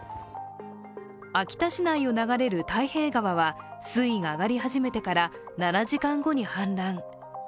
秋田市内を流れる大平川は水位が上がり始めてから７時間後に氾濫。